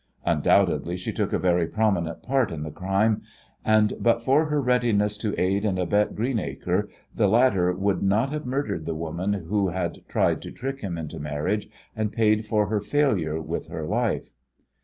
Undoubtedly she took a very prominent part in the crime, and but for her readiness to aid and abet Greenacre the latter would not have murdered the woman who had tried to trick him into marriage and paid for her failure with her life.